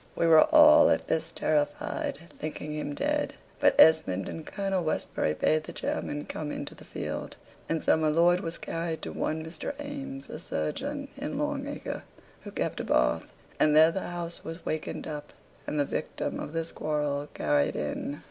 We were all at this terrified, thinking him dead; but Esmond and Colonel Westbury bade the chairmen come into the field; and so my lord was carried to one Mr. Aimes, a surgeon, in Long Acre, who kept a bath, and there the house was wakened up, and the victim of this quarrel carried in.